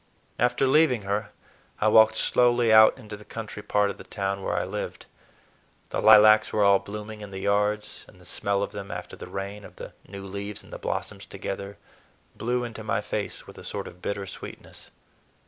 After leaving her, I walked slowly out into the country part of the town where I lived. The lilacs were all blooming in the yards, and the smell of them after the rain, of the new leaves and the blossoms together, blew into my face with a sort of bitter sweetness.